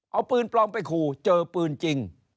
เอาปืนปลอมไปขู่เจอปืนจริง